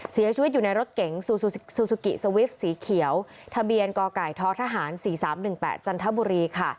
เสียชีวิตอยู่ในรถเก๋งซูซูซูกิสวิปสีเขียวทะเบียนกไก่ท้อทหาร๔๓๑๘จันทบุรีค่ะ